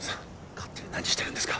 勝手に何してるんですか